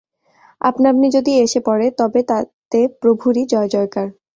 আপনা-আপনি যদি এসে পড়ে, তবে তাতে প্রভুরই জয়জয়কার।